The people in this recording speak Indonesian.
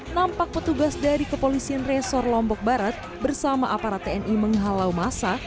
nampak petugas dari kepolisian resor lombok barat bersama aparat tni menghalau masa